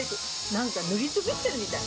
なんか塗り潰してるみたい。